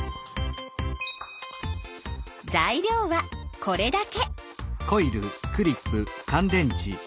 材料はこれだけ。